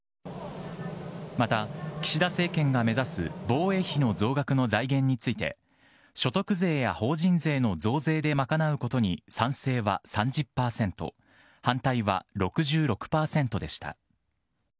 また、岸田政権が目指す防衛費の増額の財源について所得税や法人税の増税で賄うことに賛成は３０％反対は６６％でした。